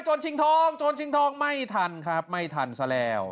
จนชิงทองจนชิงทองไม่ทันครับไม่ทันเสร็จแล้ว